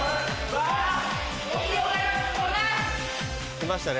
来ましたね。